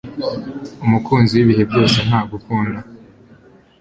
umukunzi wibihe byose nkagukunda